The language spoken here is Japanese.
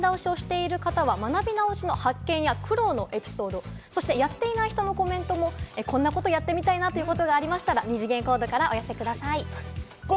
実際に学び直しをしてる方は学び直しの発見や苦労のエピソードをやっていない人のコメントもこんなことをやってみたいなということがありましたら、二次元コードからお寄せください。